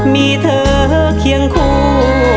มีเธอเคียงคู่